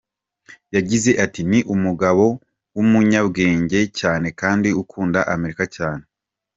Yagize ati: “Ni umugabo w’umunyabwenge cyane kandi ukunda Amerika cyane.